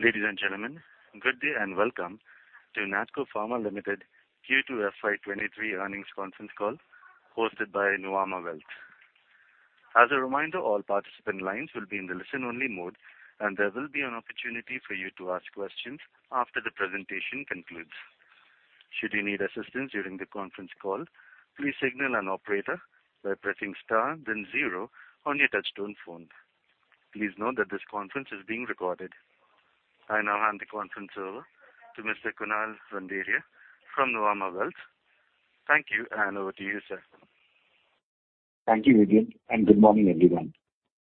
Ladies and gentlemen, good day and welcome to NATCO Pharma Limited Q2 FY 2023 earnings conference call hosted by Nuvama Wealth. As a reminder, all participant lines will be in the listen-only mode, and there will be an opportunity for you to ask questions after the presentation concludes. Should you need assistance during the conference call, please signal an operator by pressing star then zero on your touch-tone phone. Please note that this conference is being recorded. I now hand the conference over to Mr. Kunal Randeria from Nuvama Wealth. Thank you, and over to you, sir. Thank you, Vivian, and good morning, everyone.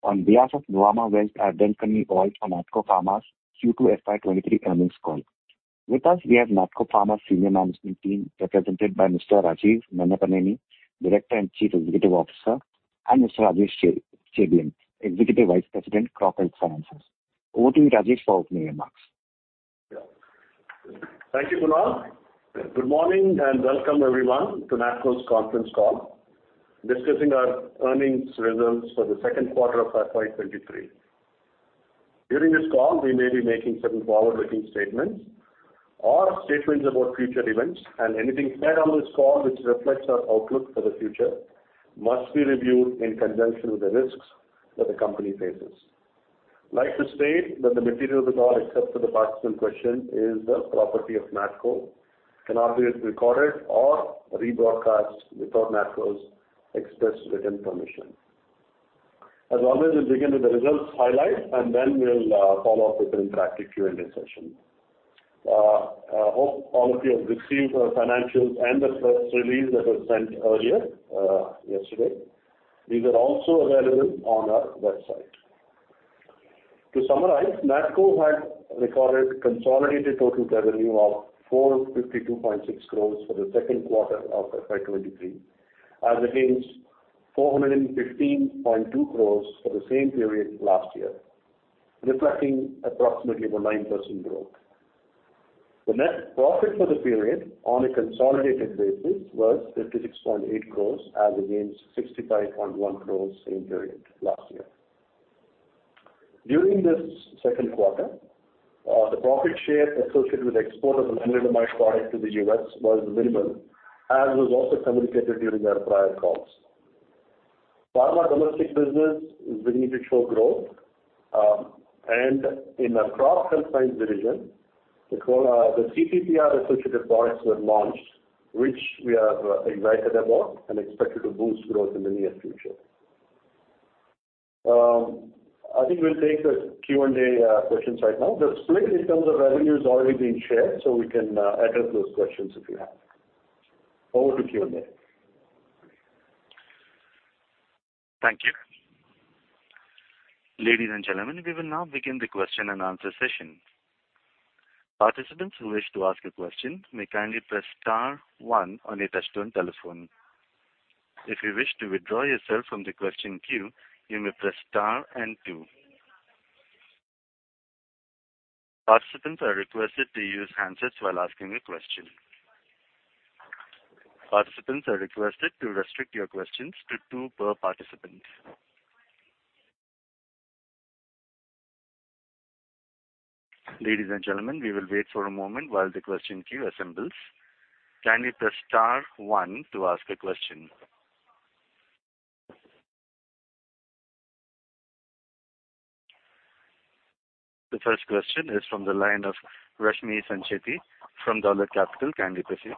On behalf of Nuvama Wealth, I welcome you all to NATCO Pharma's Q2 FY 2023 earnings call. With us, we have NATCO Pharma senior management team, represented by Mr. Rajeev Nannapaneni, Director and Chief Executive Officer, and Mr. Rajesh Chebiyam, Executive Vice President, Crop Health Sciences. Over to you, Rajeev, for opening remarks. Thank you, Kunal. Good morning and welcome everyone to NATCO's conference call discussing our earnings results for the second quarter of FY 2023. During this call, we may be making certain forward-looking statements or statements about future events, and anything said on this call which reflects our outlook for the future must be reviewed in conjunction with the risks that the company faces. I'd like to state that the material that follows except for the participant question is the property of NATCO, cannot be recorded or rebroadcast without NATCO's express written permission. As always, we'll begin with the results highlight, and then we'll follow up with the interactive Q&A session. I hope all of you have received our financials and the press release that was sent earlier yesterday. These are also available on our website. To summarize, NATCO had recorded consolidated total revenue of 452.6 crores for the second quarter of FY 2023, as against 415.2 crores for the same period last year, reflecting approximately over 9% growth. The net profit for the period on a consolidated basis was 56.8 crores as against 65.1 crores same period last year. During this second quarter, the profit share associated with export of an lenalidomide product to the U.S. was minimal, as was also communicated during our prior calls. Pharma domestic business is beginning to show growth. In the Crop Health Sciences division, the CTPR associated products were launched, which we are excited about and expected to boost growth in the near future. I think we'll take the Q&A questions right now. The split in terms of revenue has already been shared, so we can address those questions if you have. Over to Q&A. Thank you. Ladies and gentlemen, we will now begin the question-and-answer session. Participants who wish to ask a question may kindly press star one on your touch-tone telephone. If you wish to withdraw yourself from the question queue, you may press star and two. Participants are requested to use handsets while asking a question. Participants are requested to restrict your questions to two per participant. Ladies and gentlemen, we will wait for a moment while the question queue assembles. Kindly press star one to ask a question. The first question is from the line of Rashmi Sancheti from Dolat Capital. Kindly proceed.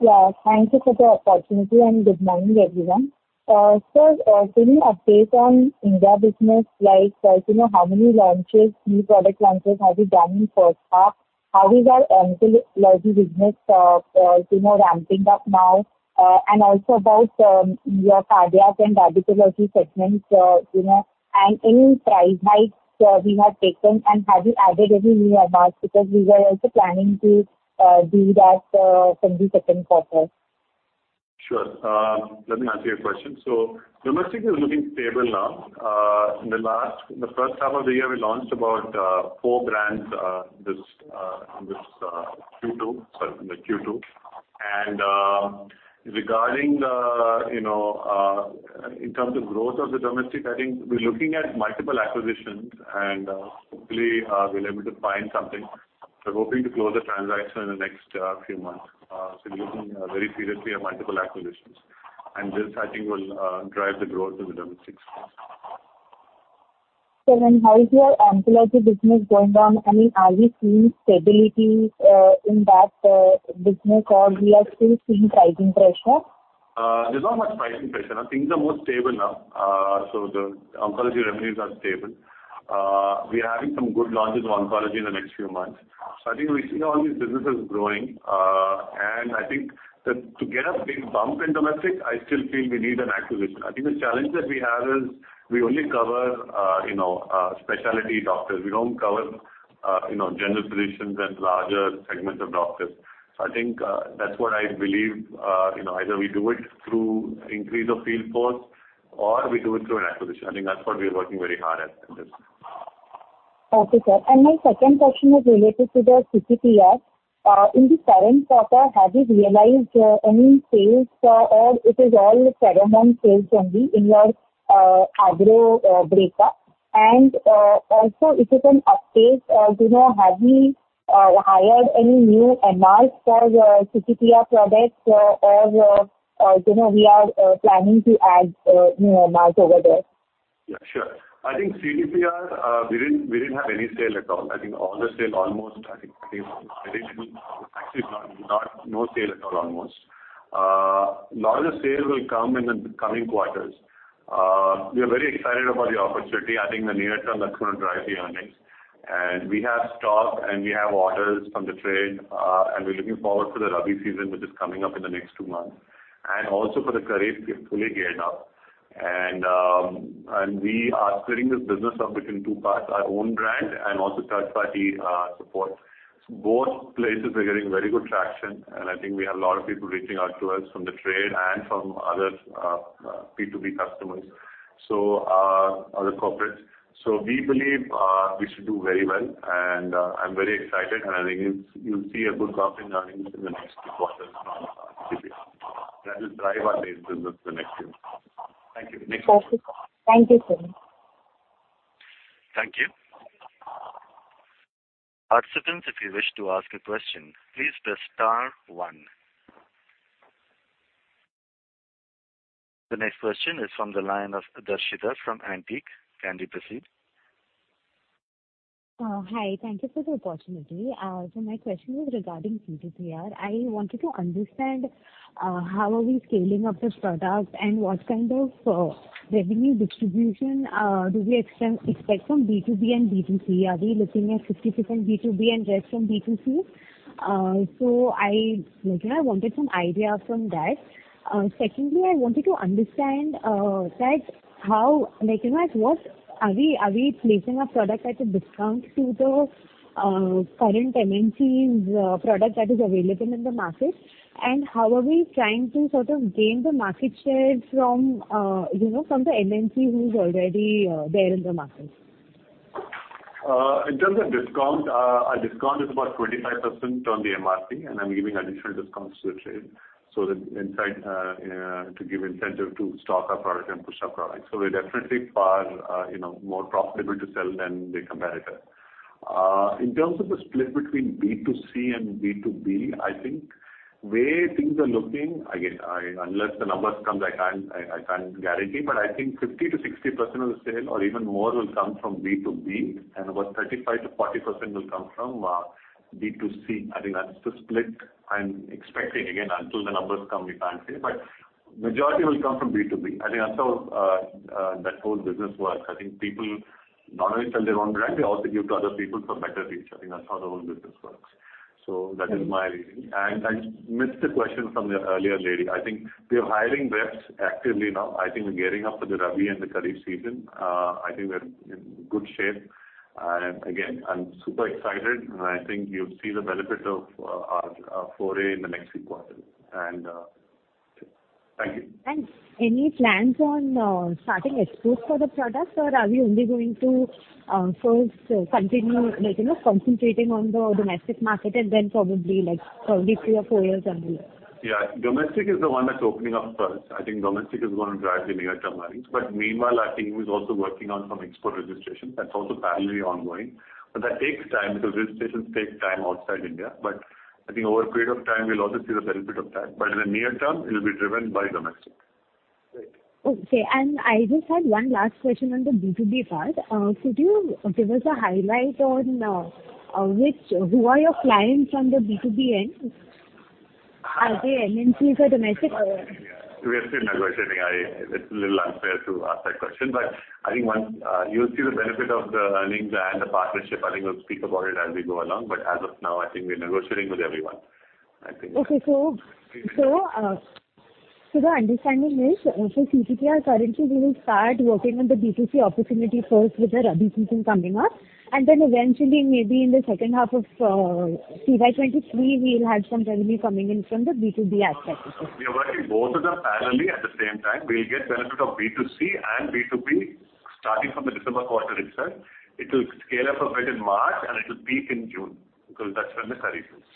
Yeah, thank you for the opportunity, and good morning, everyone. Sir, can you update on India business, like, you know, how many launches, new product launches have you done in first half? How is our Oncology business, you know, ramping up now? And also about your cardio and radiology segments, you know, and any price hikes we have taken, and have you added any new markets because we were also planning to do that from the second quarter? Sure. Let me answer your question. Domestic is looking stable now. In the first half of the year, we launched about four brands, sorry in the Q2. Regarding the, you know, in terms of growth of the domestic, I think we're looking at multiple acquisitions, and hopefully we'll be able to find something. We're hoping to close the transaction in the next few months. So we're looking very seriously at multiple acquisitions. This, I think, will drive the growth of the domestic space. Sir, how is your Oncology business going on? I mean, are you seeing stability in that business or we are still seeing pricing pressure? There's not much pricing pressure. Things are more stable now. The Oncology revenues are stable. We are having some good launches on Oncology in the next few months. I think we see all these businesses growing. I think that to get a big bump in domestic, I still feel we need an acquisition. I think the challenge that we have is we only cover, you know, specialty doctors. We don't cover, you know, general physicians and larger segments of doctors. I think, that's what I believe. You know, either we do it through increase of field force or we do it through an acquisition. I think that's what we're working very hard at this. Okay, sir. My second question is related to the CTPR. In the current quarter, have you realized any sales or it is all foreseen sales only in your agro breakup? Also if you can update us, you know, have you hired any new MRs for your CTPR products or, you know, we are planning to add, you know, MRs over there? Yeah, sure. I think CTPR, we didn't have any sales at all. I think all the sales almost. I think it was actually no sales at all almost. Lot of the sales will come in the coming quarters. We are very excited about the opportunity. I think the near term that's gonna drive the earnings. We have stock and we have orders from the trade, and we're looking forward to the Rabi season, which is coming up in the next two months. Also for the Kharif, we're fully geared up. We are splitting this business up into two parts, our own brand and also third-party support. Both places are getting very good traction, and I think we have a lot of people reaching out to us from the trade and from other B2B customers. Our other corporates. We believe we should do very well, and I'm very excited and I think it's. You'll see a good bump in earnings in the next few quarters from CTPR. That will drive our business in the next year. Thank you. Next question. Thank you, sir. Thank you. Participants, if you wish to ask a question, please press star one. The next question is from the line of Darshita from Antique. Can we proceed? Hi. Thank you for the opportunity. My question was regarding CTPR. I wanted to understand how we are scaling up this product and what kind of revenue distribution do we expect from B2B and B2C? Are we looking at 50% B2B and rest from B2C? I wanted some idea from that. Secondly, I wanted to understand how are we placing a product at a discount to the current MNC's product that is available in the market? How are we trying to sort of gain the market share from the MNC who is already there in the market? In terms of discount, our discount is about 25% on the MRP, and I'm giving additional discounts to the trade, so the incentive to stock our product and push our product. We're definitely far, you know, more profitable to sell than the competitor. In terms of the split between B2C and B2B, I think the way things are looking, again, unless the numbers come, I can't guarantee, but I think 50%-60% of the sale or even more will come from B2B and about 35%-40% will come from B2C. I think that's the split I'm expecting. Again, until the numbers come, we can't say. Majority will come from B2B. I think that's how that whole business works. I think people not only sell their own brand, they also give to other people for better reach. I think that's how the whole business works. That is my reading. I missed the question from the earlier lady. I think we are hiring reps actively now. I think we're gearing up for the Rabi and the Kharif season. I think we're in good shape. Again, I'm super excited. I think you'll see the benefit of our foray in the next few quarters. Thank you. Any plans on starting exports for the product, or are we only going to first continue, like, you know, concentrating on the domestic market and then probably like three or four years down the line? Yeah, domestic is the one that's opening up first. I think domestic is gonna drive the near-term earnings. Meanwhile, our team is also working on some export registrations. That's also parallelly ongoing. That takes time because registrations take time outside India. I think over a period of time, we'll also see the benefit of that. In the near term, it'll be driven by domestic. Great. Okay. I just had one last question on the B2B part. Could you give us a highlight on who are your clients on the B2B end? Are they MNCs or domestic or? We are still negotiating. It's a little unfair to ask that question, but I think once you'll see the benefit of the earnings and the partnership. I think we'll speak about it as we go along. As of now, I think we're negotiating with everyone. The understanding is for CTPR currently, we will start working on the B2C opportunity first with the Rabi season coming up. Then eventually, maybe in the second half of CY 2023, we'll have some revenue coming in from the B2B aspect. We are working both of them parallelly at the same time. We'll get benefit of B2C and B2B starting from the December quarter itself. It will scale up a bit in March, and it will peak in June, because that's when the Kharif is.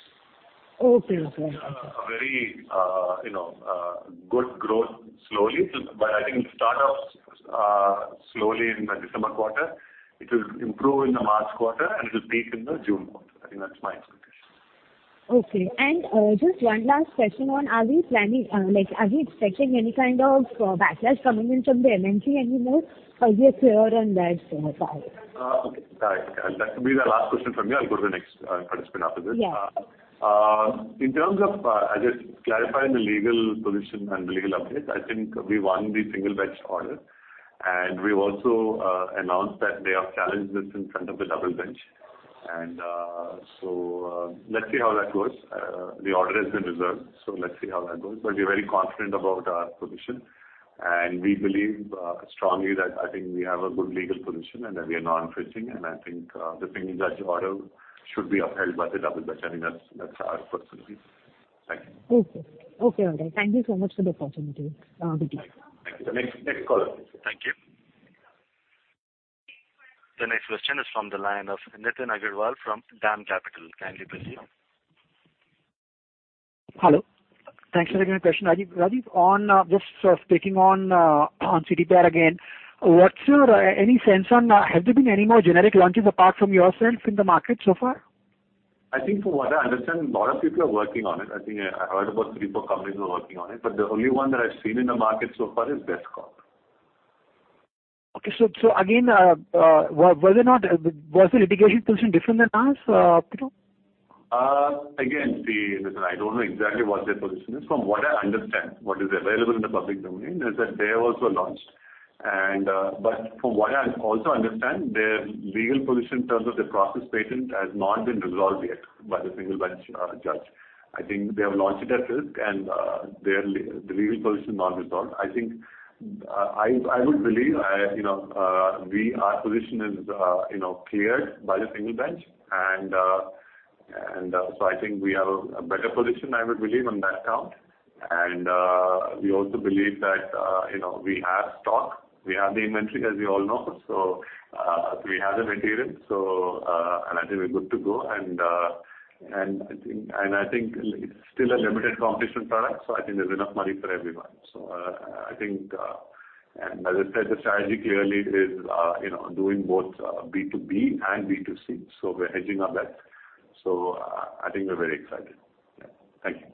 Okay. Okay. A very, you know, good growth slowly. I think it'll start off slowly in the December quarter. It will improve in the March quarter, and it'll peak in the June quarter. I think that's my expectation. Okay. Just one last question on are we planning, like, are we expecting any kind of backlash coming in from the MNC anymore? Are we clear on that front? Okay. That will be the last question from you. I'll go to the next participant after this. Yeah. In terms of, I'll just clarify the legal position and the legal update. I think we won the single bench order, and we've also announced that they have challenged this in front of the double bench. Let's see how that goes. The order has been reserved, so let's see how that goes. We're very confident about our position. We believe strongly that I think we have a good legal position and that we are non-infringing. I think the single bench order should be upheld by the double bench. I think that's our personal view. Thank you. Okay. All right. Thank you so much for the opportunity. Good day. Thank you. Next caller, please. Thank you. The next question is from the line of Nitin Agarwal from DAM Capital. Kindly proceed. Hello. Thanks for taking my question. Rajeev, just speaking on CTPR again, what's your sense on has there been any more generic launches apart from yourself in the market so far? I think from what I understand, a lot of people are working on it. I think I heard about three or four companies who are working on it, but the only one that I've seen in the market so far is Descovy. Was the litigation position different than ours up to? Again, see, Nitin, I don't know exactly what their position is. From what I understand, what is available in the public domain is that they have also launched. From what I also understand, their legal position in terms of their process patent has not been resolved yet by the single bench judge. I think they have launched it at risk and their legal position not resolved. I would believe, you know, our position is, you know, cleared by the single bench. I think we have a better position, I would believe, on that count. We also believe that, you know, we have stock, we have the inventory, as we all know. We have the material. I think we're good to go. I think it's still a limited competition product, so I think there's enough money for everyone. As I said, the strategy clearly is, you know, doing both B2B and B2C, so we're hedging on that. I think we're very excited. Yeah. Thank you.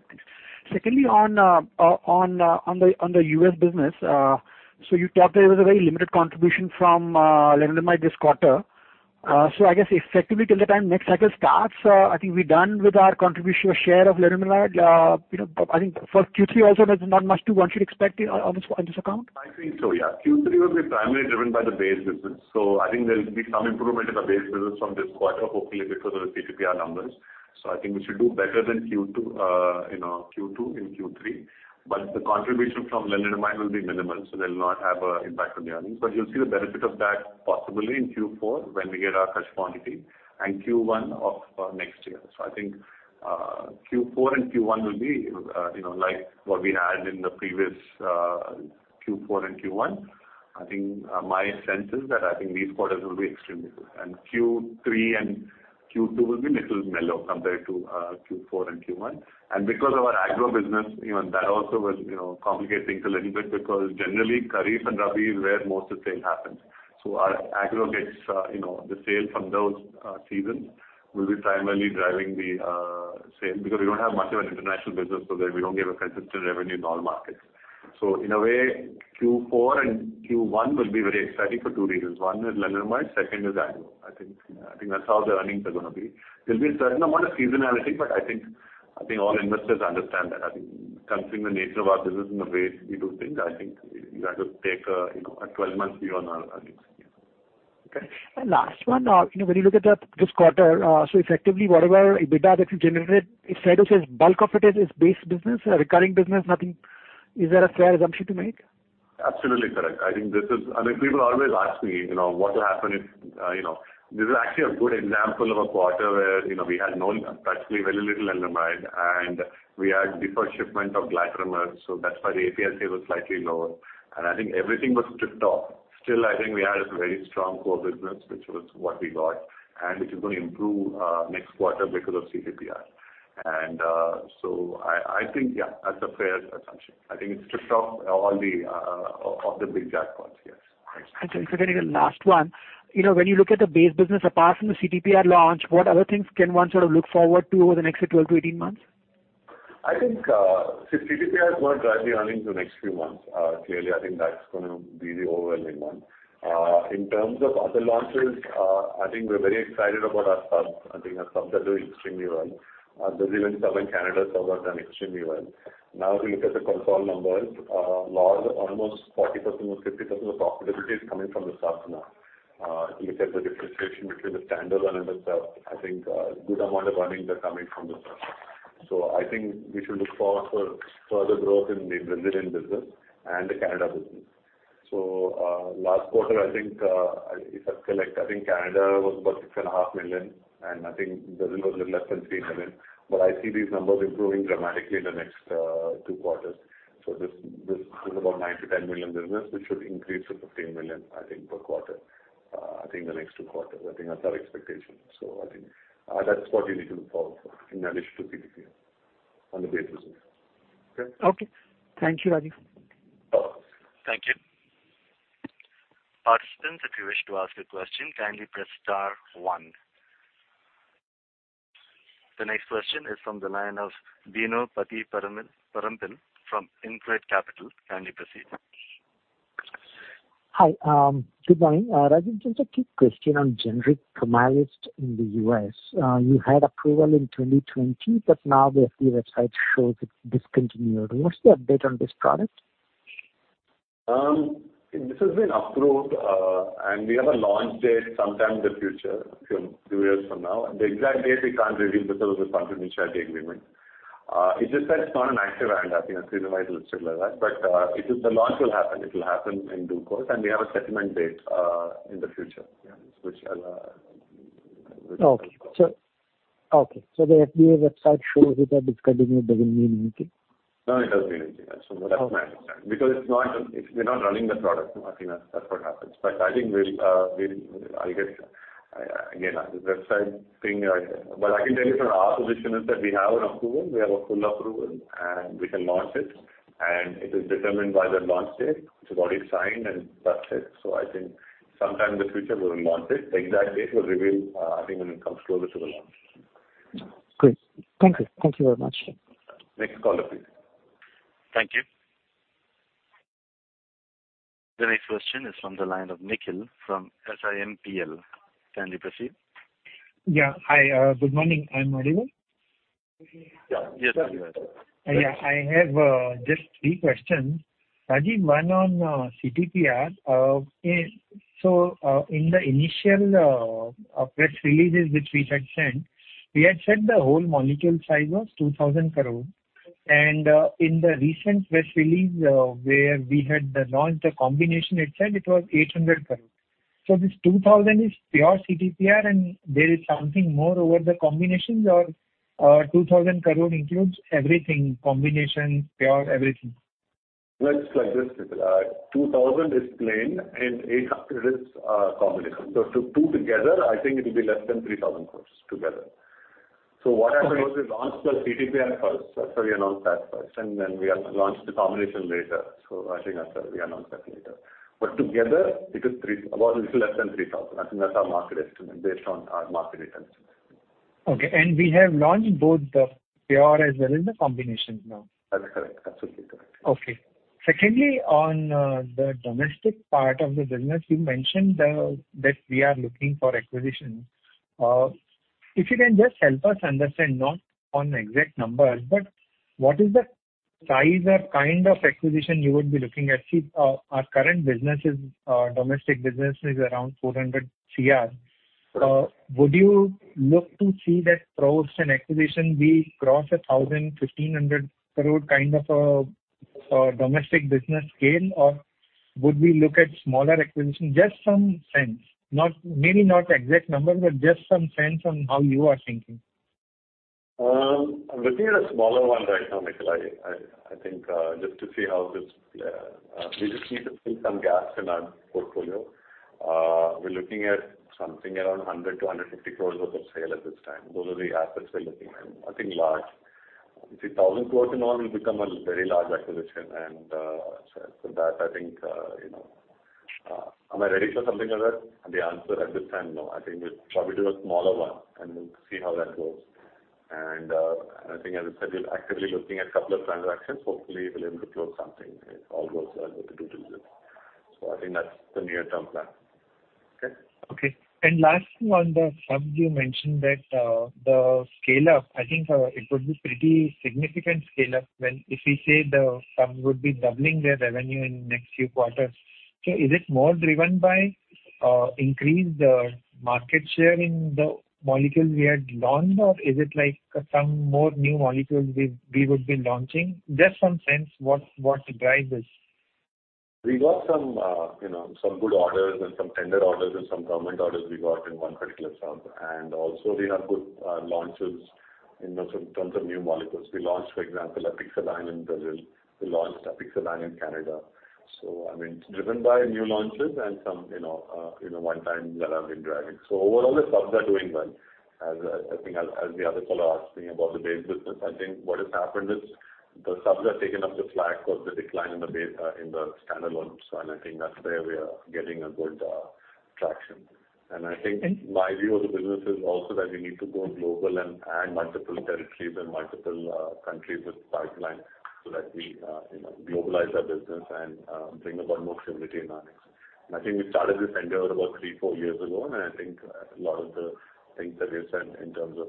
Secondly, on the U.S. business, so you talked, there was a very limited contribution from lenalidomide this quarter. I guess effectively till the time next cycle starts, I think we're done with our contribution or share of lenalidomide. You know, I think for Q3 also, there's not much one should expect on this account. I think so, yeah. Q3 will be primarily driven by the base business. I think there'll be some improvement in the base business from this quarter, hopefully because of the CTPR numbers. I think we should do better than Q2, you know, Q2 in Q3. The contribution from lenalidomide will be minimal, so they'll not have an impact on the earnings. You'll see the benefit of that possibly in Q4 when we get our fresh quantity and Q1 of next year. I think Q4 and Q1 will be, you know, like what we had in the previous Q4 and Q1. I think my sense is that I think these quarters will be extremely good, and Q3 and Q2 will be little mellow compared to Q4 and Q1. Because of our agro business, you know, that also will, you know, complicate things a little bit because generally Kharif and Rabi is where most of sale happens. Our agro gets, you know, the sale from those seasons will be primarily driving the sale because we don't have much of an international business so that we don't get a consistent revenue in all markets. In a way, Q4 and Q1 will be very exciting for two reasons. One is lenalidomide, second is agro. I think that's how the earnings are gonna be. There'll be a certain amount of seasonality, but I think all investors understand that. I think considering the nature of our business and the way we do things, I think you have to take a, you know, a 12-month view on our earnings. Yeah. Okay. Last one, you know, when you look at this quarter, so effectively whatever EBITDA that you generate, it's fair to say bulk of it is base business, recurring business, nothing. Is that a fair assumption to make? Absolutely correct. I think this is. I mean, people always ask me, you know, what will happen if, you know. This is actually a good example of a quarter where, you know, we had practically very little lenalidomide, and we had deferred shipment of glatiramer, so that's why the API was slightly lower. I think everything was stripped off. Still, I think we had a very strong core business, which was what we got, and which is gonna improve next quarter because of CTPR. So I think, yeah, that's a fair assumption. I think it stripped off all the big jackpots, yes. Thanks. I think for the very last one, you know, when you look at the base business apart from the CTPR launch, what other things can one sort of look forward to over the next 12-18 months? I think CTPR is gonna drive the earnings the next few months. Clearly, I think that's gonna be the overwhelming one. In terms of other launches, I think we're very excited about our subs. I think our subs are doing extremely well. Our Brazilian sub and Canada sub have done extremely well. Now, if you look at the consolidated numbers, largely almost 40% or 50% of profitability is coming from the subs now. If you look at the differentiation between the standalone and the sub, I think a good amount of earnings are coming from the subs. I think we should look forward for further growth in the Brazilian business and the Canada business. Last quarter, I think, if I recall, I think Canada was about $6.5 million, and I think Brazil was a little less than $3 million. I see these numbers improving dramatically in the next two quarters. This is about $9-$10 million business, which should increase to $15 million, I think, per quarter, I think the next two quarters. I think that's our expectation. That's what you need to look forward for in addition to CTPR on the base business. Okay. Okay. Thank you, Rajeev. No problem. Thank you. Participants, if you wish to ask a question, kindly press star one. The next question is from the line of Bino Pathiparampil from InCred Capital. Kindly proceed. Hi. Good morning. Rajeev, just a quick question on generic Copaxone in the U.S. You had approval in 2020, but now the FDA website shows it's discontinued. What's the update on this product? This has been approved, and we have a launch date sometime in the future, few years from now. The exact date we can't reveal because of the confidentiality agreement. It's just that it's not an active ANDA, you know, 3-5 years, et cetera, but the launch will happen. It will happen in due course, and we have a settlement date in the future. Which I'll The FDA website shows it, but it's not cutting it. It doesn't mean anything. No, it doesn't mean anything. That's what I understand. Okay. Because it's not, if we're not running the product, I think that's what happens. I think I'll get again the website thing. I can tell you from our position is that we have an approval, we have a full approval, and we can launch it, and it is determined by the launch date. Got it signed and that's it. I think sometime in the future we will launch it. The exact date will reveal, I think when it comes closer to the launch. Great. Thank you. Thank you very much. Next caller, please. Thank you. The next question is from the line of Nikhil from SIMPL. Kindly proceed. Yeah. Hi, good morning. I'm audible? Yeah. Yes, you are. Yeah, I have just three questions. Rajeev, one on CTPR. In the initial press releases which we had sent, we had said the whole molecule size was 2,000 crore. In the recent press release where we had launched a combination, it said it was 800 crore. This 2,000 is pure CTPR and there is something more over the combinations or 2,000 crore includes everything, combination, pure, everything? Well, it's like this, 2,000 crore is plain and 800 crore is combination. So two together, I think it'll be less than 3,000 crores together. Okay. What happened was we launched the CTPR first, that's why we announced that first, and then we have launched the combination later. I think that's why we announced that later. Together it is about a little less than 3,000. I think that's our market estimate based on our market returns. Okay. We have launched both the pure as well as the combinations now? That is correct. Absolutely correct. Okay. Secondly, on the domestic part of the business, you mentioned that we are looking for acquisitions. If you can just help us understand, not on exact numbers, but what is the size or kind of acquisition you would be looking at? See, our current domestic business is around 400 crore. Would you look to see that through an acquisition we cross 1,000, 1,500 crore kind of a domestic business scale? Or would we look at smaller acquisition? Just some sense, maybe not exact numbers, but just some sense on how you are thinking. I'm looking at a smaller one right now, Nikhil. I think we just need to fill some gaps in our portfolio. We're looking at something around 100-150 crores worth of sale at this time. Those are the assets we're looking at. Nothing large. You see, 1,000 crores or more will become a very large acquisition, so that I think, you know, am I ready for something like that? The answer at this time, no. I think we'll probably do a smaller one and we'll see how that goes. I think as I said, we're actively looking at couple of transactions. Hopefully we'll able to close something if all goes well with the due diligence. I think that's the near-term plan. Okay? Okay. Lastly, on the subs you mentioned that, the scale up, I think, it would be pretty significant scale up when if we say the sub would be doubling their revenue in next few quarters. Is it more driven by, increased, market share in the molecules we had launched or is it like some more new molecules we would be launching? Just some sense what drives this. We got some, you know, some good orders and some tender orders and some government orders we got in one particular sub. Also we have good launches in terms of new molecules. We launched, for example, Apixaban in Brazil. We launched Apixaban in Canada. I mean, it's driven by new launches and some, you know, one times that have been driving. Overall the subs are doing well. I think as the other caller asking about the base business, what has happened is the subs have taken up the slack of the decline in the base in the standalones. I think that's where we are getting a good traction. Okay. I think my view of the business is also that we need to go global and add multiple territories and multiple countries with pipeline so that we, you know, globalize our business and bring about more stability in our mix. I think we started this endeavor about 3, 4 years ago, and I think a lot of the things that we've done in terms of,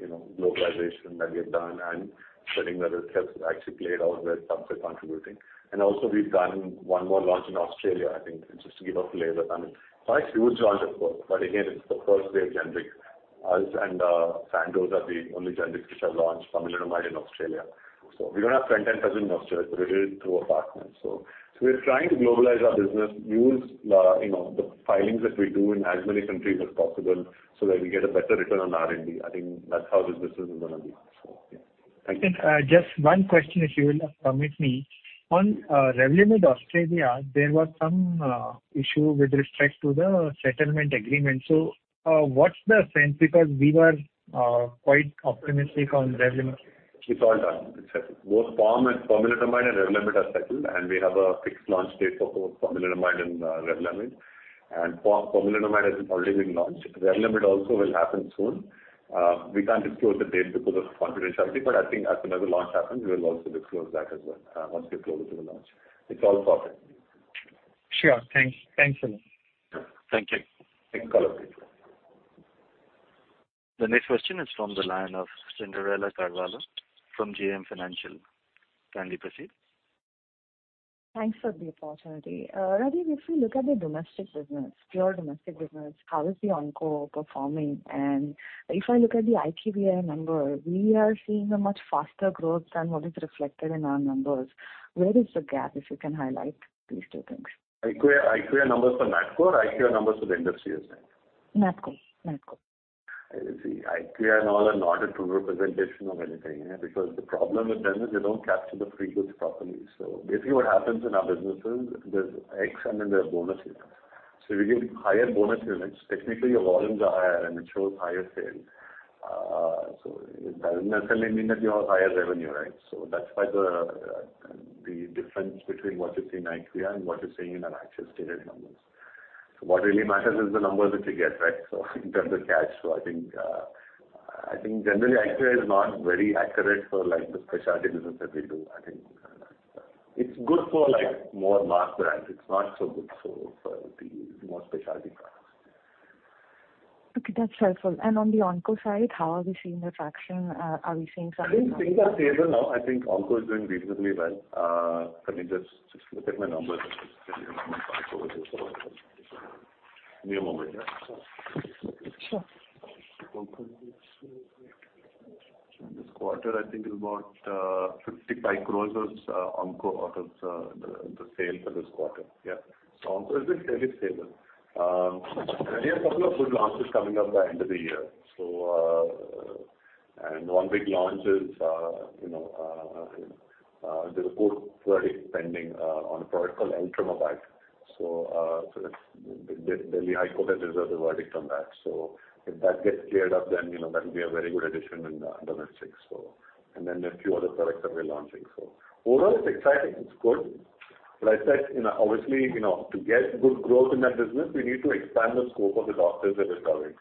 you know, globalization that we have done and setting that it has actually played out where subs are contributing. Also we've done one more launch in Australia, I think, just to give a flavor. I mean, it's quite a huge launch, of course, but again, it's the first wave generic. Us and Sandoz are the only generics which have launched Pomalidomide in Australia. We don't have front end presence in Australia. We did it through a partner. We're trying to globalize our business, use, you know, the filings that we do in as many countries as possible so that we get a better return on R&D. I think that's how this business is gonna be. Yeah. Thank you. Just one question, if you will permit me. On Revlimid Australia, there was some issue with respect to the settlement agreement. What's the sense? Because we were quite optimistic on Revlimid. It's all done. It's settled. Both Pomalidomide and Revlimid are settled, and we have a fixed launch date for both Pomalidomide and Revlimid. Pomalidomide has already been launched. Revlimid also will happen soon. We can't disclose the date because of confidentiality, but I think as soon as the launch happens, we will also disclose that as well, once we're closer to the launch. It's all sorted. Sure. Thanks. Thanks a lot. Thank you. Next caller, please. The next question is from the line of Cyndrella Carvalho from JM Financial. Kindly proceed. Thanks for the opportunity. Rajeev, if you look at the domestic business, pure domestic business, how is the onco performing? If I look at the IQVIA number, we are seeing a much faster growth than what is reflected in our numbers. Where is the gap, if you can highlight these two things? IQVIA numbers for NATCO or IQVIA numbers for the industry as such? NATCO. I see. IQVIA now are not a true representation of anything because the problem with them is they don't capture the frequency properly. Basically what happens in our business is there's X and then there's bonus units. We give higher bonus units, technically your volumes are higher, and it shows higher sales. It doesn't necessarily mean that you have higher revenue, right? That's why the difference between what you see in IQVIA and what you're seeing in our actual stated numbers. What really matters is the numbers which we get, right? In terms of cash flow, I think generally IQVIA is not very accurate for like the specialty business that we do. I think it's good for like more mass brands. It's not so good for the more specialty products. Okay, that's helpful. On the Onco side, how are we seeing the traction? Are we seeing some- I think things are stable now. I think onco is doing reasonably well. Let me just look at my numbers. Give me a moment, yeah? Sure. This quarter, I think is about 55 crores onco out of the sales for this quarter. Onco is very stable. We have a couple of good launches coming up by the end of the year. One big launch is, you know, there's a court verdict pending on a product called Ibrance. Delhi High Court has reserved the verdict on that. If that gets cleared up, then, you know, that'll be a very good addition in the mix. There are few other products that we're launching. Overall, it's exciting. It's good. I said, you know, obviously, you know, to get good growth in that business, we need to expand the scope of the doctors that we're covering.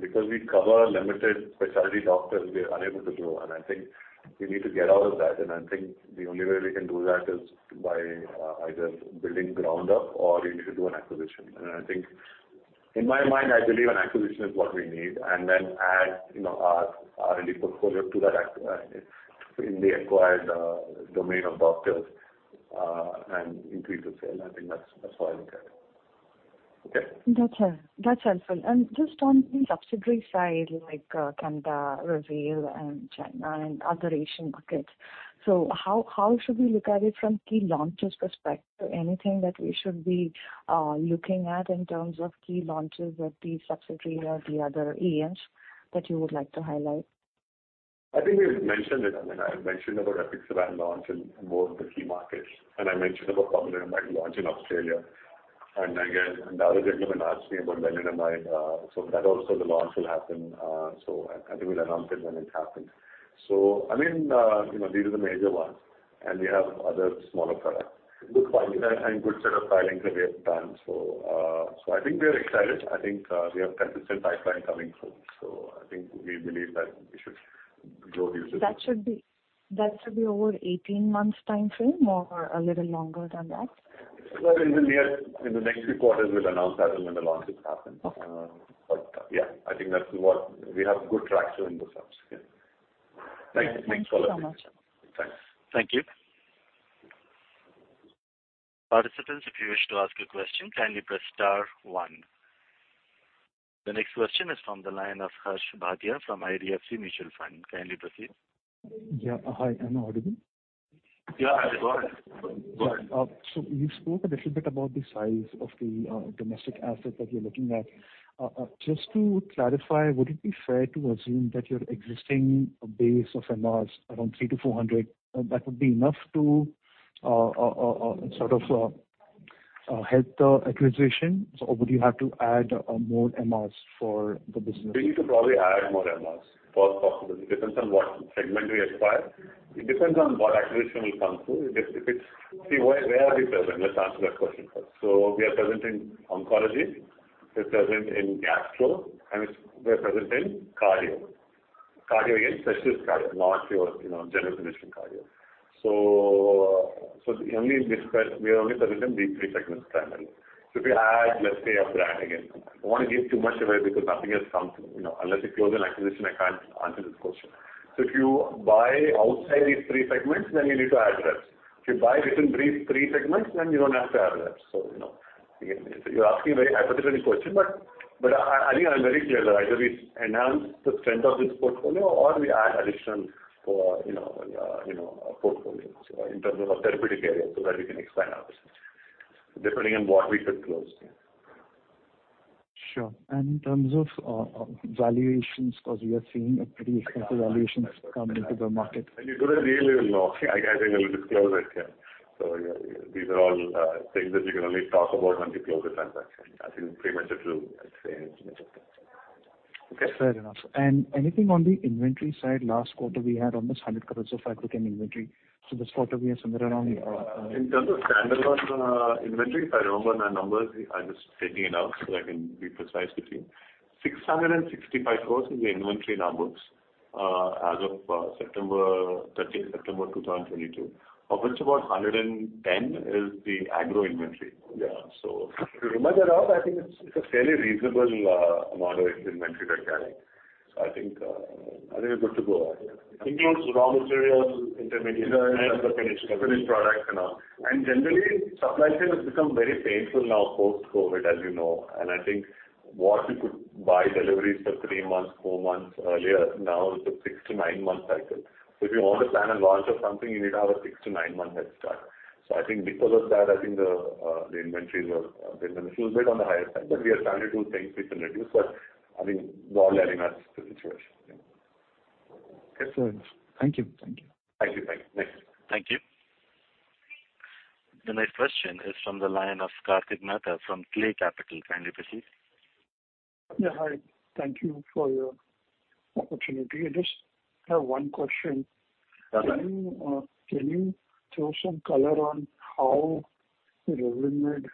Because we cover limited specialty doctors, we are unable to grow. I think we need to get out of that. I think the only way we can do that is by either building ground up or we need to do an acquisition. I think in my mind, I believe an acquisition is what we need and then add, you know, our ready portfolio to that in the acquired domain of doctors, and increase the sales. I think that's how I look at it. Okay. That's helpful. Just on the subsidiary side, like, Canada, Brazil and China and other Asian markets. How should we look at it from key launches perspective? Anything that we should be looking at in terms of key launches with the subsidiary or the other EMs that you would like to highlight? I think we've mentioned it. I mean, I've mentioned about Apixaban launch in both the key markets, and I mentioned about Pomalyst launch in Australia. I guess another gentleman asked me about Venclexta, so that also the launch will happen. I think we'll announce it when it happens. I mean, you know, these are the major ones, and we have other smaller products. Good pipeline and good set of filings that we have planned. I think we are excited. I think, we have consistent pipeline coming through. I think we believe that we should grow this business. That should be over 18 months time frame or a little longer than that? Well, in the next few quarters, we'll announce that when the launches happen. Okay. Yeah, I think that's what we have good traction in those apps. Yeah. Thank you. Thanks a lot. Thanks so much. Thanks. Thank you. Participants, if you wish to ask a question, kindly press star one. The next question is from the line of Harsh from IDFC Mutual Fund. Kindly proceed. Yeah. Hi. Am I audible? Yeah. Go ahead. Go ahead. Yeah. You've spoke a little bit about the size of the domestic asset that you're looking at. Just to clarify, would it be fair to assume that your existing base of MRs around 300-400, that would be enough to sort of help the acquisition? Would you have to add more MRs for the business? We need to probably add more MRs where possible. It depends on what segment we acquire. It depends on what acquisition will come through. See where we are present? Let's answer that question first. We are present in oncology, we're present in Gastro, and we're present in Cardio. Cardio, again, specialist cardio, not your, you know, general physician cardio. Only in this case, we are only present in these three segments primarily. If you add, let's say, a brand again, I don't want to give too much away because nothing has come through. You know, unless you close an acquisition, I can't answer this question. If you buy outside these three segments, then you need to add reps. If you buy within these three segments, then you don't have to add reps. You know, again, you're asking a very hypothetical question, but I think I'm very clear that either we enhance the strength of this portfolio or we add addition for, you know, you know, portfolios in terms of a therapeutic area so that we can expand our presence, depending on what we could close. Yeah. Sure. In terms of valuations, because we are seeing a pretty expensive valuations come into the market. When you do the deal, you'll know. I think I will disclose it. Yeah. These are all things that you can only talk about once you close the transaction. I think pretty much it's true, I'd say, in most of the cases. Okay. Fair enough. Anything on the inventory side? Last quarter we had almost 100 crore of inventory. This quarter we are somewhere around In terms of standalone inventory, if I remember my numbers, I'll just check it now so that I can be precise with you. 665 crores is the inventory in our books, as of September 13th, 2022. Of which about 110 is the agro inventory. Yeah. So if you remove that out, I think it's a fairly reasonable amount of inventory that we have. So I think we're good to go. Includes raw materials, intermediates and the finished products and all. Generally, supply chain has become very painful now post-COVID, as you know. I think what you could buy deliveries for three months, four months earlier, now it's a 6-9 months cycle. So if you want to plan a launch of something, you need to have a 6-9 months headstart. I think because of that, I think the inventories are a little bit on the higher side, but we are planning to bring this to reduce. I think we're all learning as to the situation. Sure. Thank you. Thank you. Thank you. Thank you. Thank you. The next question is from the line of Kartik Mehta from Klay Capital. Kindly proceed. Yeah. Hi. Thank you for your opportunity. I just have one question. Okay. Can you throw some color on how the Revlimid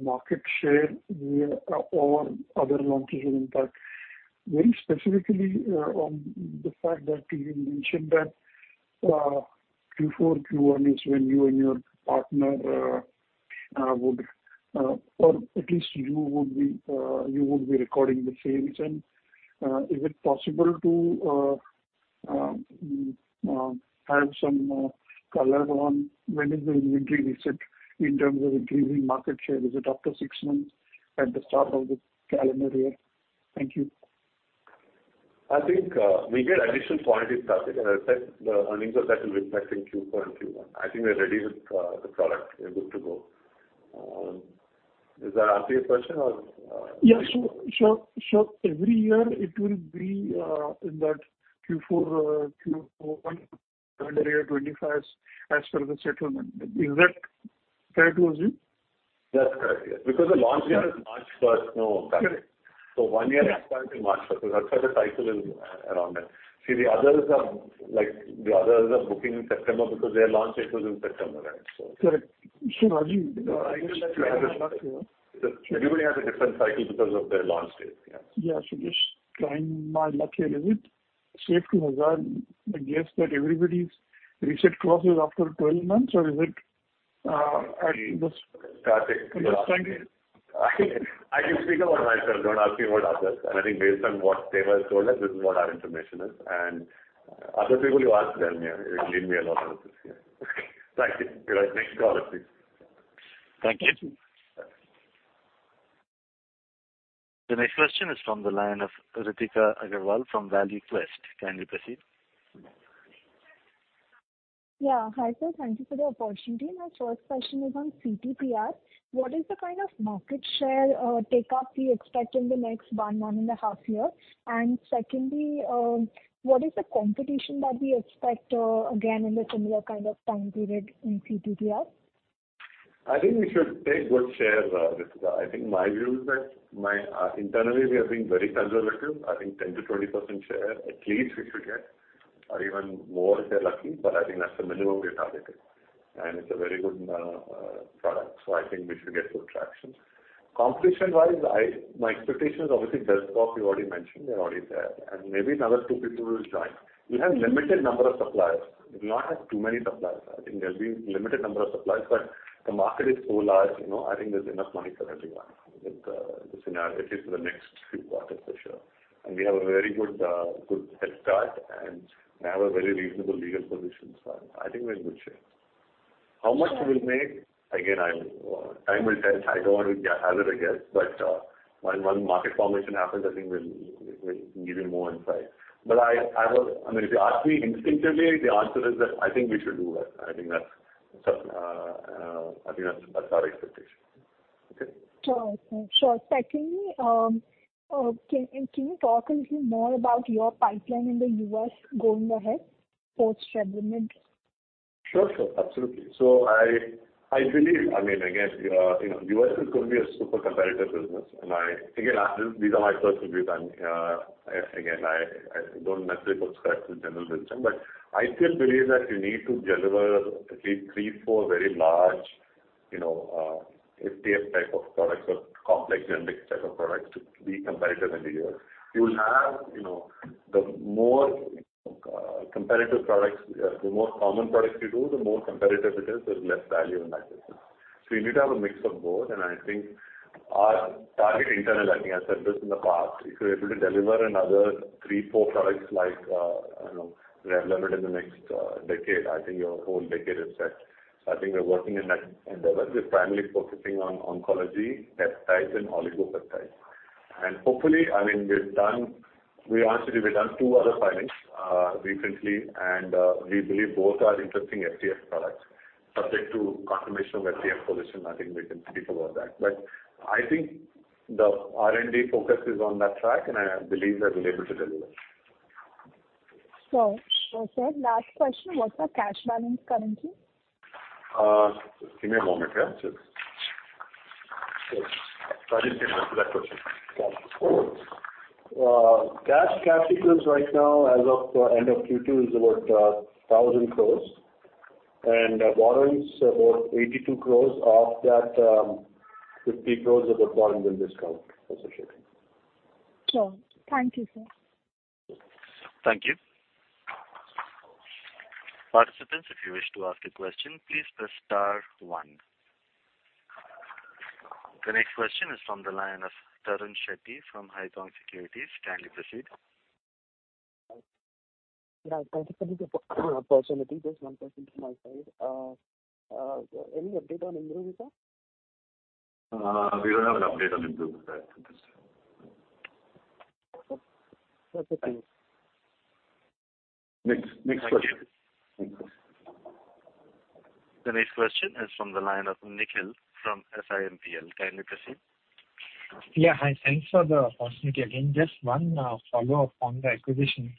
market share will or other launches will impact very specifically on the fact that you mentioned that Q4, Q1 is when you and your partner would or at least you would be recording the sales. Is it possible to have some color on when is the inventory reset in terms of achieving market share? Is it after six months at the start of the calendar year? Thank you. I think we get additional point with Kartik, and I think the earnings of that will reflect in Q4 and Q1. I think we're ready with the product. We're good to go. Does that answer your question or Yeah. Every year it will be in that Q4, Q1 calendar year 2025 as per the settlement. Is that fair to assume? That's correct. Yeah. Because the launch year is March first. No, Kartik. Correct. One year is March first. That's why the cycle is around that. See, the others are, like, booking in September because their launch date was in September. Right. Correct. Rajeev, I just Everybody has a different cycle because of their launch date. Yeah. Yeah. Just trying my luck here. Is it safe to hazard a guess that everybody's reset closes after 12 months or is it at this? Kartik. I'm just trying to. I can speak about myself. Don't ask me about others. I think based on what they were told us, this is what our information is. Other people you ask them. Yeah. Leave me alone out of this. Yeah. Thank you. Next caller, please. Thank you. The next question is from the line of Ritika Agarwal from ValueQuest. Kindly proceed. Yeah. Hi, sir. Thank you for the opportunity. My first question is on CTPR. What is the kind of market share take up we expect in the next one and a half year? Secondly, what is the competition that we expect again in the similar kind of time period in CTPR? I think we should take good share, Ritika. I think my view is that internally we are being very conservative. I think 10%-20% share at least we should get or even more if we're lucky, but I think that's the minimum we are targeting. It's a very good product, so I think we should get good traction. Competition wise, my expectation is obviously Descovy you already mentioned, they're already there, and maybe another two people will join. We have limited number of suppliers. We do not have too many suppliers. I think there'll be limited number of suppliers, but the market is so large, you know. I think there's enough money for everyone with this narrative for the next few quarters for sure. We have a very good head start, and we have a very reasonable legal position. I think we're in good shape. How much we will make, again, time will tell. I don't want to hazard a guess. When market formation happens, I think we'll give you more insight. I mean, if you ask me instinctively, the answer is that I think we should do well. I think that's our expectation. Okay? Sure. Secondly, can you talk a little more about your pipeline in the U.S. going ahead post Revlimid? Sure. Absolutely. I believe, I mean, again, you know, the U.S. is going to be a super competitive business. I, again, these are my personal views. I'm, again, I don't necessarily subscribe to the general wisdom, but I still believe that you need to deliver at least three, four very large, you know, FDF type of products or complex generic type of products to be competitive in the U.S. You'll have, you know, the more competitive products, the more common products you do, the more competitive it is, there's less value in that business. You need to have a mix of both. I think our target internal, I think I said this in the past, if you're able to deliver another three, four products like, you know, Revlimid in the next decade, I think your whole decade is set. I think we're working in that endeavor. We're primarily focusing on oncology, peptides and oligonucleotides. Hopefully, I mean, we've honestly done two other filings recently, and we believe both are interesting FDF products subject to confirmation of FDF position. I think we can speak about that. I think the R&D focus is on that track, and I believe we've been able to deliver. Sure. Last question. What's our cash balance currently? Give me a moment here. Sure. Rajesh, can you answer that question? Sure. Cash and cash equivalents right now as of end of Q2 is about 1,000 crores. Borrowings about 82 crores. Of that, 50 crores of the borrowing will discount associated. Sure. Thank you, sir. Thank you. Participants, if you wish to ask a question, please press star one. The next question is from the line of Tarun Shetty from Haitong Securities. Kindly proceed. Yeah. Thank you for the opportunity. Just one question from my side. Any update on IMBRUVICA? We don't have an update on IMBRUVICA at this time. Okay. That's it. Thanks. Next question. Thank you. The next question is from the line of Nikhil from SIMPL. Kindly proceed. Hi. Thanks for the opportunity again. Just one follow-up on the acquisition.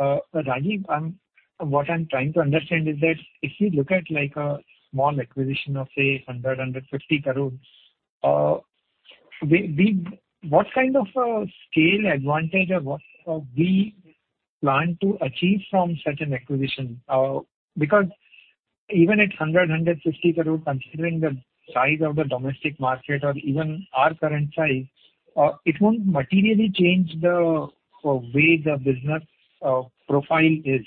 Rajeev, what I'm trying to understand is that if you look at, like, a small acquisition of, say, 100-150 crore, what kind of a scale advantage or what we plan to achieve from such an acquisition? Because even at 100-150 crore, considering the size of the domestic market or even our current size, it won't materially change the way the business profile is.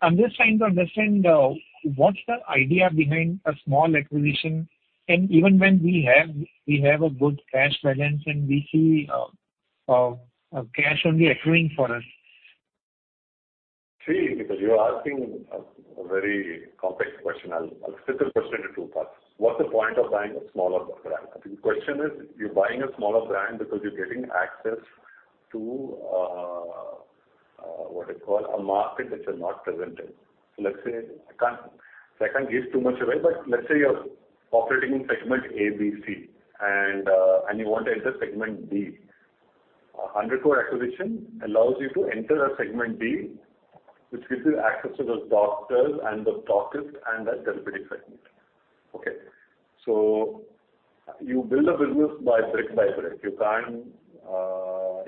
I'm just trying to understand what's the idea behind a small acquisition, and even when we have a good cash balance and we see cash only accruing for us. See, because you are asking a very complex question. I'll split the question into two parts. What's the point of buying a smaller brand? I think the question is, you're buying a smaller brand because you're getting access to, what do you call, a market which you're not present in. Let's say I can't give too much away, but let's say you're operating in segment A, B, C, and you want to enter segment D. 100 crore acquisition allows you to enter segment D, which gives you access to those doctors and the therapy segment. Okay. You build a business brick by brick. You can't,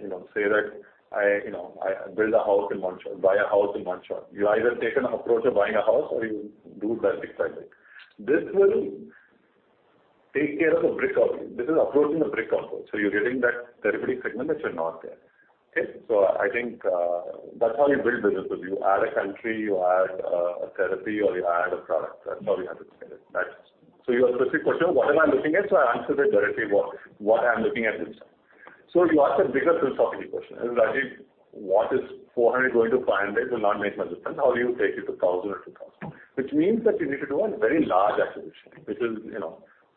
you know, say that I, you know, I build a house in one shot, buy a house in one shot. You either take an approach of buying a house or you do it by brick by brick. This will take care of a brick of you. This is approaching a brick also. You're getting that therapy segment which you're not there. Okay? I think that's how you build businesses. You add a country, you add a therapy, or you add a product. That's how you have to scale it, right? Your specific question, what am I looking at? I answered it directly, what I'm looking at this time. You asked a bigger philosophical question. Rajeev, what is 400-500? Will not make much difference. How do you take it to 1,000 or 2,000? Which means that you need to do a very large acquisition,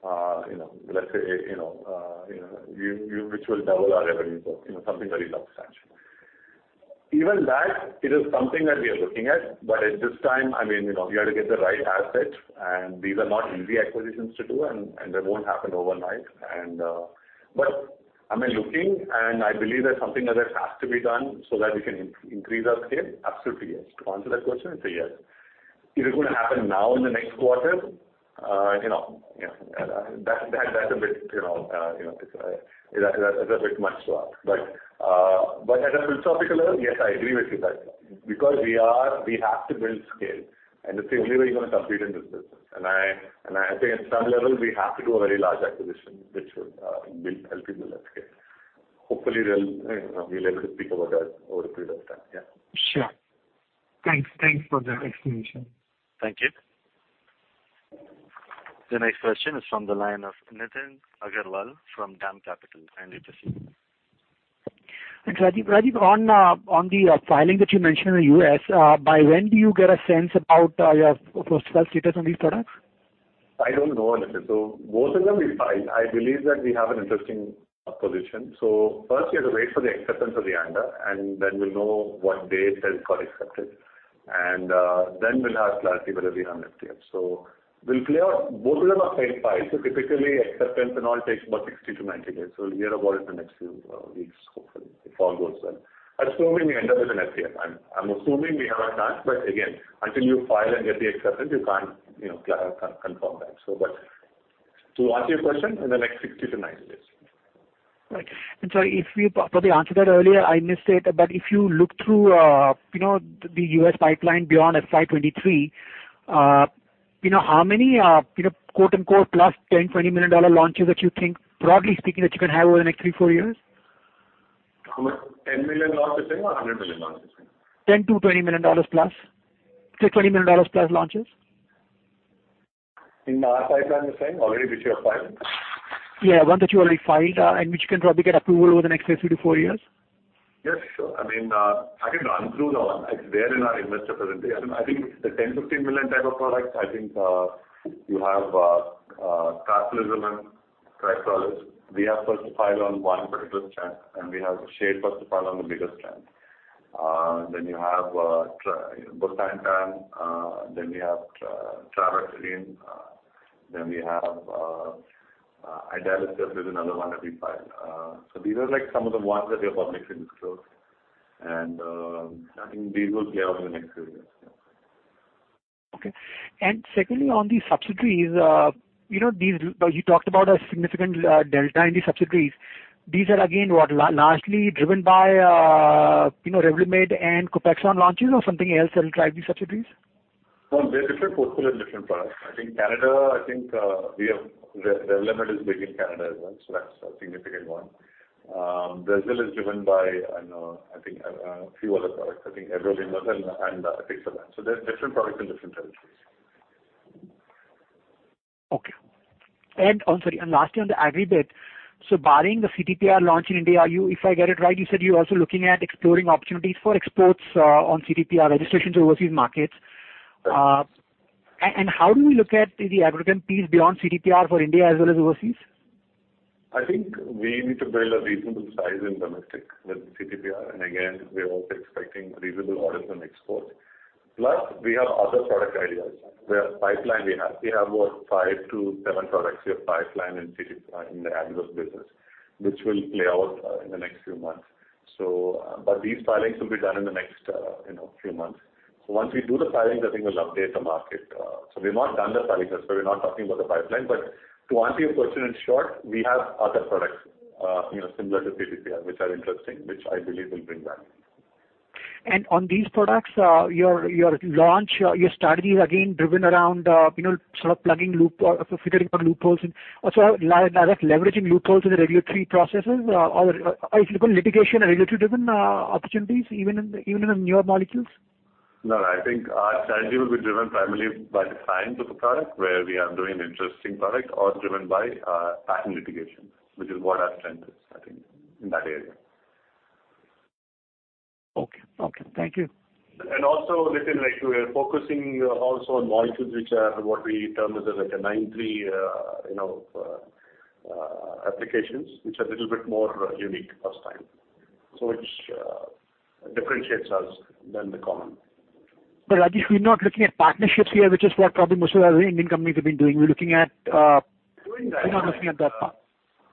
which will double our revenue. You know, something very substantial. Even that, it is something that we are looking at, but at this time, I mean, you know, we have to get the right asset, and these are not easy acquisitions to do, and they won't happen overnight. I am looking and I believe that something like that has to be done so that we can increase our scale. Absolutely, yes. To answer that question, I'd say yes. Is it gonna happen now in the next quarter? You know, yeah, that's a bit, you know, it's a bit much to ask. At a philosophical level, yes, I agree with you that because we are we have to build scale, and it's the only way you're gonna compete in this business. I think at some level, we have to do a very large acquisition, which will help you build that scale. Hopefully we'll, you know, be able to speak about that over a period of time. Yeah. Sure. Thanks. Thanks for the explanation. Thank you. The next question is from the line of Nitin Agarwal from DAM Capital. Kindly proceed. Thanks, Rajeev. Rajeev, on the filing that you mentioned in the U.S., by when do you get a sense about your approval status on these products? I don't know, Nitin. Both of them we filed. I believe that we have an interesting position. First we have to wait for the acceptance of the ANDA, and then we'll know what date it got accepted. Then we'll have clarity whether we have an FDA. Both of them are same files. Typically acceptance and all takes about 60-90 days. We'll hear about it in the next few weeks, hopefully, if all goes well. Assuming we end up with an FDA. I'm assuming we have a chance, but again, until you file and get the acceptance, you can't, you know, confirm that. But to answer your question, in the next 60-90 days. Right. Sorry, if you probably answered that earlier, I missed it. If you look through, you know, the U.S. pipeline beyond FY 2023, you know, how many, you know, “+$10, $20 million launches” that you think, broadly speaking, that you can have over the next 3, 4 years? How much? 10 million launches or 100 million launches? $10-$20 million+. Say, $20 million+ launches. In our pipeline you're saying, already which we have filed? Yeah, ones that you already filed, and which you can probably get approval over the next say 3-4 years. Yes, sure. I mean, I can run through the ones. It's there in our investor presentation. I think the $10-$15 million type of products, I think, you have carfilzomib, triazolam. We have first to file on one particular strand, and we have shared first to file on the biggest strand. Then you have busulfan. Then we have trabectedin. Then we have idelalisib is another one that we filed. These are like some of the ones that we have publicly disclosed. I think these will play out in the next few years. Yeah. Okay. Secondly, on the subsidiaries, you know, these. You talked about a significant delta in the subsidiaries. These are again, what, largely driven by, you know, Revlimid and Copaxone launches or something else that will drive these subsidiaries? No, they're different portfolio, different products. I think Canada, we have Revlimid is big in Canada as well, so that's a significant one. Brazil is driven by, I know, I think, a few other products. I think everolimus and pixantrone. There are different products in different territories. Lastly on the agri bit. Barring the CTPR launch in India, if I get it right, you said you're also looking at exploring opportunities for exports on CTPR registrations overseas markets. How do we look at the agrochem piece beyond CTPR for India as well as overseas? I think we need to build a reasonable size in domestic with CTPR. Again, we're also expecting reasonable orders from export. Plus we have other product ideas. We have pipeline. We have about 5-7 products we have pipelined in CTPR in the agro business, which will play out in the next few months. These filings will be done in the next, you know, few months. Once we do the filings, I think we'll update the market. We've not done the filings, that's why we're not talking about the pipeline. To answer your question in short, we have other products, you know, similar to CTPR, which are interesting, which I believe will bring value. On these products, your launch strategy is again driven around you know, sort of plugging loopholes or figuring loopholes and also leveraging loopholes in the regulatory processes or if you've got litigation or regulatory driven opportunities even in the newer molecules? No, I think our strategy will be driven primarily by the science of the product, where we are doing interesting product or driven by, patent litigation, which is what our strength is, I think, in that area. Okay. Thank you. Also within like we're focusing also on molecules which are what we term as like a 9(3) applications which are a little bit more unique first time, which differentiates us than the common. Rajeev, we're not looking at partnerships here, which is what probably most of other Indian companies have been doing. We're looking at Doing that. We're not looking at that part.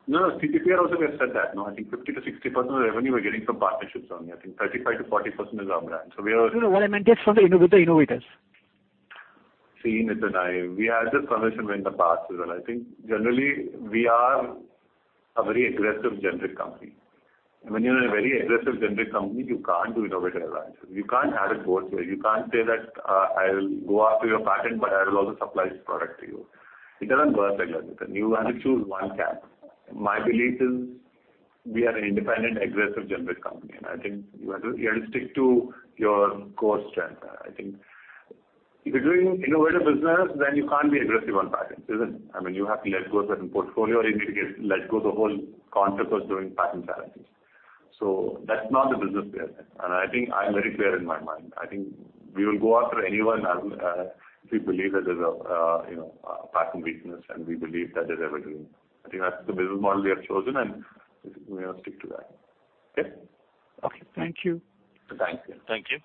No, no. CTPR also we have said that, no. I think 50%-60% of the revenue we're getting from partnerships only. I think 35%-40% is our brand. We are- No, no. What I meant is with the innovators. See, Nitin, We had this conversation in the past as well. I think generally we are a very aggressive generic company. When you're in a very aggressive generic company, you can't do innovator brands. You can't have it both ways. You can't say that, I'll go after your patent, but I will also supply this product to you. It doesn't work like that, Nitin. You have to choose one camp. My belief is we are an independent, aggressive generic company, and I think you have to stick to your core strength there. I think if you're doing innovative business, then you can't be aggressive on patents, is it? I mean, you have to let go of certain portfolio. You need to let go the whole concept of doing patent challenges. That's not the business we are in. I think I'm very clear in my mind. I think we will go after anyone as, if we believe that there's a, you know, a patent weakness and we believe that there's a way to win. I think that's the business model we have chosen, and we're gonna stick to that. Okay? Okay. Thank you. Thank you. Thank you.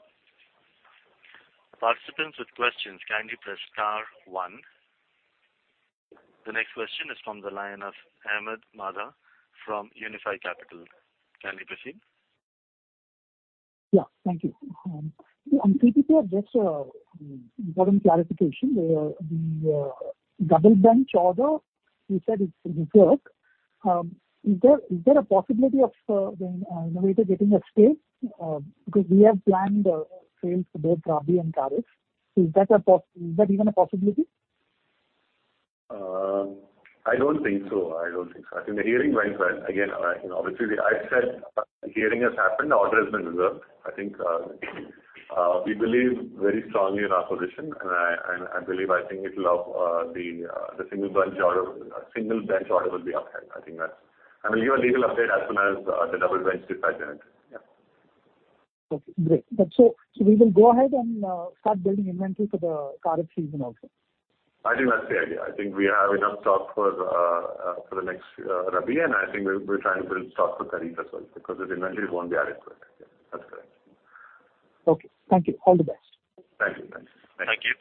Participants with questions, kindly press star one. The next question is from the line of Ahmed Madha from Unifi Capital. Kindly proceed. Yeah, thank you. On CTPR, just one clarification. The double bench order, you said it's reserved. Is there a possibility of the innovator getting a stay? Because we have planned sales for both Rabi and Kharif. Is that even a possibility? I don't think so. I think the hearing went well. Again, you know, obviously I said hearing has happened, order has been reserved. I think we believe very strongly in our position, and I believe. I think it'll, the single bench order will be upheld. I think that's. We'll give a legal update as soon as the double bench decides on it. Yeah. Okay, great. We will go ahead and start building inventory for the Kharif season also. I think that's the idea. I think we have enough stock for the next Rabi, and I think we'll try and build stock for Kharif as well, because the inventories won't be adequate. That's correct. Okay. Thank you. All the best. Thank you. Thanks. Thank you.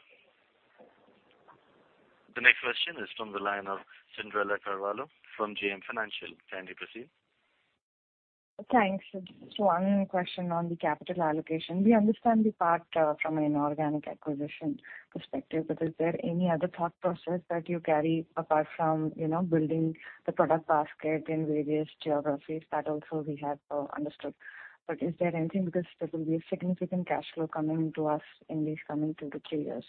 The next question is from the line of Cyndrella Carvalho from JM Financial. Kindly proceed. Thanks. Just one question on the capital allocation. We understand the part from an organic acquisition perspective, but is there any other thought process that you carry apart from, you know, building the product basket in various geographies? That also we have understood. Is there anything because there will be a significant cash flow coming to us in these coming 2-3 years?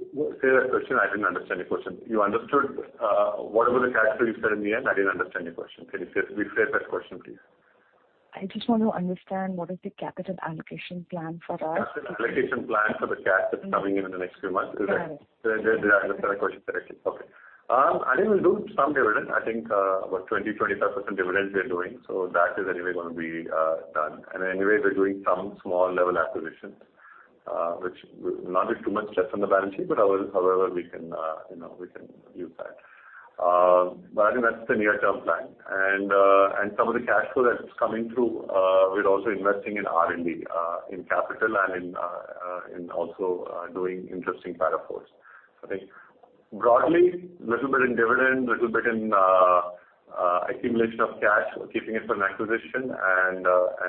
I didn't understand your question. What about the cash flow you said in the end? I didn't understand your question. Can you restate that question, please? I just want to understand what is the capital allocation plan for us? Capital allocation plan for the cash that's coming in in the next few months? Correct. Did I understand that question correctly? Okay. I think we'll do some dividend. I think about 20%, 25% dividend we are doing. So that is anyway gonna be done. Anyway, we're doing some small level acquisitions, which will not be too much stress on the balance sheet, but however we can, you know, we can use that. I think that's the near-term plan. Some of the cash flow that's coming through, we're also investing in R&D, in capital and in also doing interesting Para IV. I think broadly, little bit in dividend, little bit in accumulation of cash, keeping it for an acquisition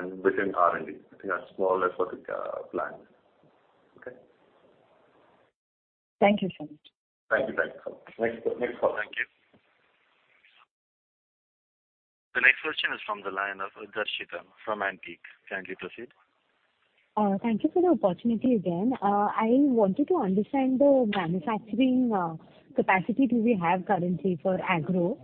and bit in R&D. I think that's more or less what the plan is. Okay? Thank you so much. Thank you. Thanks. Next call. Thank you. The next question is from the line of Darshita from Antique. Kindly proceed. Thank you for the opportunity again. I wanted to understand the manufacturing capacity we have currently for agro.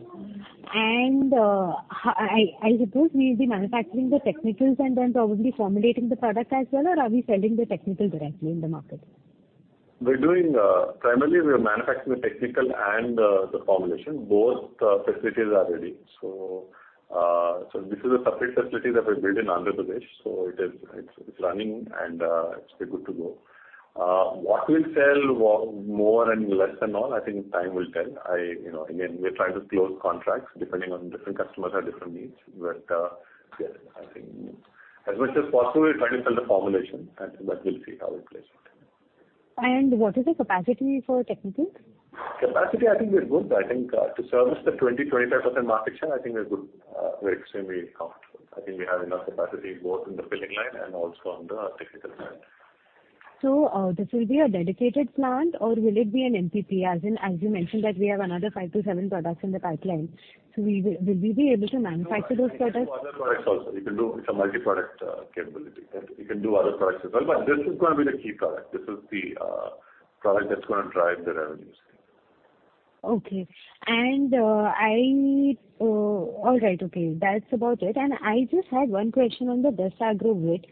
I suppose we'll be manufacturing the technicals and then probably formulating the product as well or are we selling the technical directly in the market? We're doing primarily we are manufacturing the technical and the formulation. Both facilities are ready. This is a separate facility that we built in Andhra Pradesh, it is running and it's good to go. What we'll sell more and less and all, I think time will tell. You know, again, we're trying to close contracts depending on different customers have different needs. Yeah, I think as much as possible, we're trying to sell the formulation, but we'll see how it plays out. What is the capacity for technical? Capacity, I think we're good. I think to service the 20%, 25% market share, I think we're good. We're extremely comfortable. I think we have enough capacity both in the filling line and also on the technical side. This will be a dedicated plant or will it be an MPP, as you mentioned that we have another 5-7 products in the pipeline, will we be able to manufacture those products? No, we can do other products also. It's a multi-product capability. You can do other products as well, but this is gonna be the key product. This is the product that's gonna drive the revenues. Okay. All right. Okay. That's about it. I just had one question on the DS Agro which.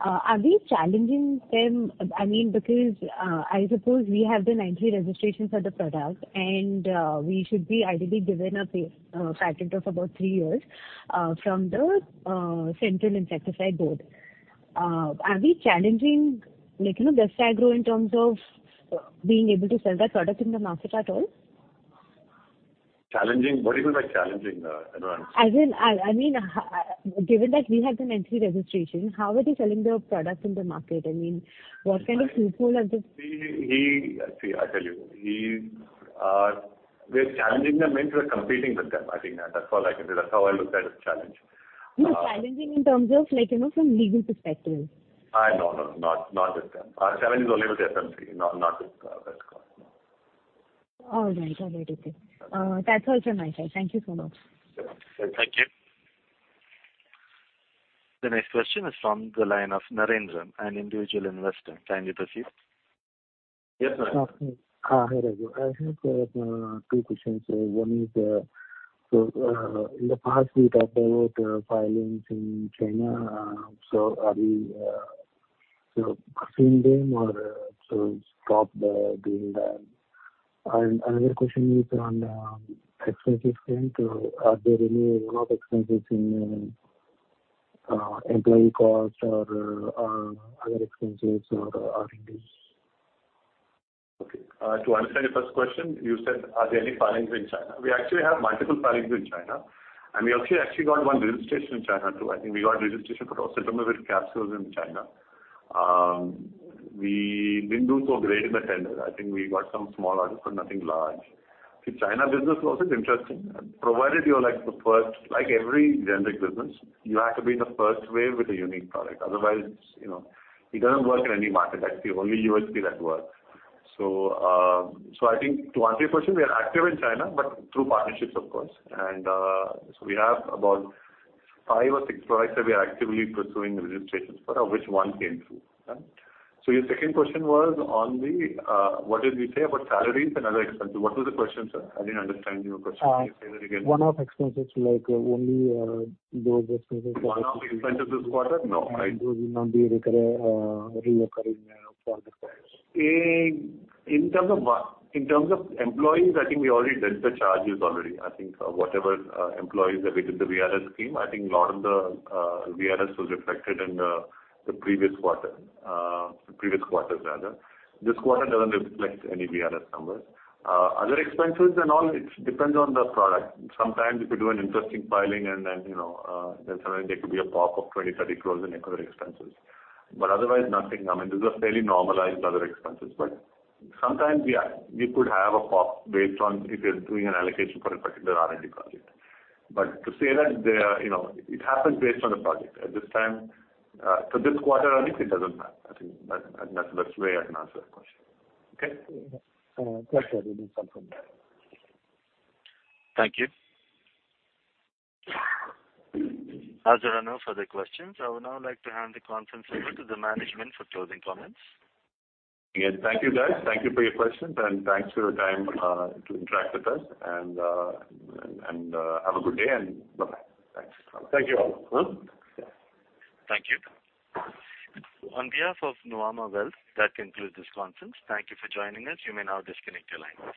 Are we challenging them? I mean, because I suppose we have the 90 registrations for the product, and we should be ideally given a patent of about three years from the Central Insecticides Board. Are we challenging, like, you know, DS Agro in terms of being able to sell that product in the market at all? Challenging? What do you mean by challenging, Darshita? As in, I mean, given that we have the 90 registration, how are they selling their products in the market? I mean, what kind of loophole have they See, I tell you. He's, we're challenging them means we're competing with them. I think that's all I can say. That's how I look at it, challenge. No, challenging in terms of like, you know, from legal perspective. No, not with them. Our challenge is only with FMC, not with DS Agro, no. All right. Okay. Okay. That's all from my side. Thank you so much. Sure. Thank you. The next question is from the line of Narendra, an individual investor. Kindly proceed. Yes, sir. Hi. Hi, Rajeev. I have two questions here. One is in the past, we talked about filings in China. Are we pursuing them or stopped doing that? Another question is on expenses front. Are there any one-off expenses in employee costs or other expenses or R&D? Okay. To answer your first question, you said are there any filings in China? We actually have multiple filings in China, and we also actually got one registration in China, too. I think we got registration for oseltamivir capsules in China. We didn't do so great in the tender. I think we got some small orders, but nothing large. The China business also is interesting. Provided you're like the first, like every generic business, you have to be in the first wave with a unique product. Otherwise, you know, it doesn't work in any market. That's the only USP that works. I think to answer your question, we are active in China, but through partnerships, of course. So we have about five or six products that we are actively pursuing registrations for, of which one came through. Yeah. Your second question was on the, what did we say about salaries and other expenses? What was the question, sir? I didn't understand your question. Can you say that again? One-off expenses, like only those expenses that One-off expenses this quarter? No. Those will not be reoccurring for the quarters. In terms of employees, I think we already dealt the charges already. I think whatever employees that we did the VRS scheme, I think a lot of the VRS was reflected in the previous quarter, the previous quarters rather. This quarter doesn't reflect any VRS numbers. Other expenses and all, it depends on the product. Sometimes if you do an interesting filing and then, you know, then suddenly there could be a pop of 20 crore-30 crore in other expenses. But otherwise nothing. I mean, these are fairly normalized other expenses. But sometimes we could have a pop based on if you're doing an allocation for a particular R&D project. But to say that they are, you know. It happens based on the project. At this time, for this quarter at least, it doesn't matter. I think that's the best way I can answer that question. Okay? Yeah. Clear. Let me confirm that. Thank you. As there are no further questions, I would now like to hand the conference over to the management for closing comments. Again, thank you, guys. Thank you for your questions, and thanks for your time to interact with us. Have a good day and bye-bye. Thanks. Thank you all. Hmm? Yeah. Thank you. On behalf of Nuvama Wealth, that concludes this conference. Thank you for joining us. You may now disconnect your lines.